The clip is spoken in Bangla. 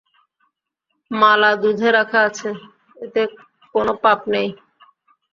মালা দুধে রাখা আছে, এতে কোন পাপ নেই।